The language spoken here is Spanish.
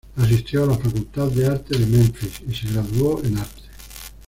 Asistió a la Facultad de Arte de Memphis y se graduó en Arte.